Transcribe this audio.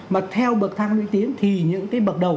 mà theo bậc thang lưỡi tiến thì những bậc đầu